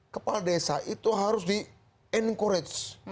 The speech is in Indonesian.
kepala desa itu harus di encourage